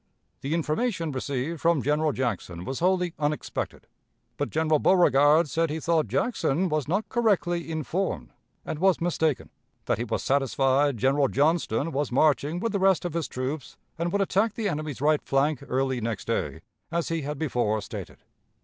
The information received from General Jackson was wholly unexpected, but General Beauregard said he thought Jackson was not correctly informed, and was mistaken; that he was satisfied General Johnston was marching with the rest of his troops and would attack the enemy's right flank early next day as he had before stated.